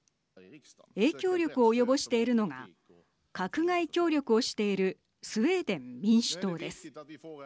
影響力を及ぼしているのが閣外協力をしているスウェーデン民主党です。